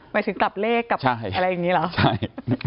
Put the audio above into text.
หมายถึงกลับเลขกลับอะไรอย่างนี้เหรอใช่